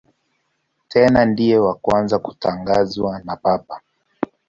Tena ndiye wa kwanza kutangazwa na Papa.